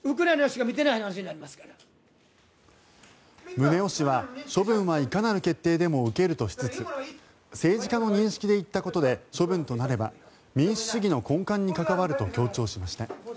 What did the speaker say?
宗男氏は処分はいかなる決定でも受けるとしつつ政治家の認識で言ったことで処分となれば民主主義の根幹に関わると強調しました。